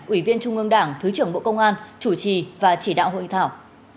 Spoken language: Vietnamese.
ủy viên trung ương đảng thứ trưởng bộ công an chủ trì và chỉ đạo hội thảo